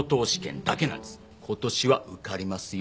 今年は受かりますよ。